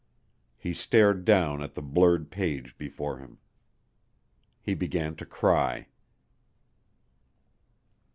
He stared down at the blurred page before him. He began to cry.